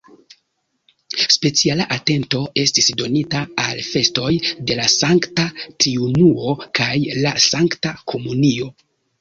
Speciala atento estis donita al festoj de la Sankta Triunuo kaj la Sankta Komunio.